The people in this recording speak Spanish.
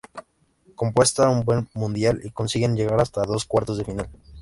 Completa un buen Mundial y consiguen llegar hasta los Cuartos de Final.